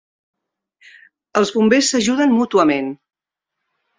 Els bombers s'ajuden mútuament.